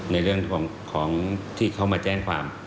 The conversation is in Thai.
ในเรื่องของที่เขามาแจ้งความ